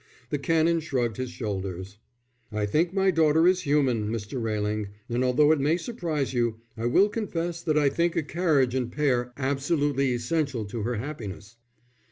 The Canon shrugged his shoulders. "I think my daughter is human, Mr. Railing; and although it may surprise you, I will confess that I think a carriage and pair absolutely essential to her happiness."